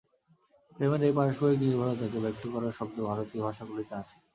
প্রেমের এই পারস্পরিক নির্ভরতাকে ব্যক্ত করার শব্দ ভারতীয় ভাষাগুলিতে আছে।